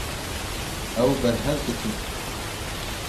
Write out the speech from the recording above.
Ew berhev dikin.